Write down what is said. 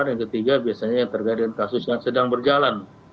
yang ketiga biasanya yang terkait dengan kasus yang sedang berjalan